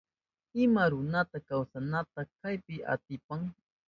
Ima runapas kawsanata kaypi atipan.